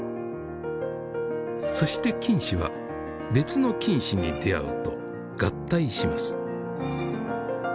そして菌糸は別の菌糸に出会うと合体します。